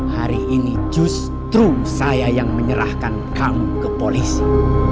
hari ini justru saya yang menyerahkan kamu ke polisi